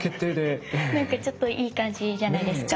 なんかちょっといい感じじゃないですか？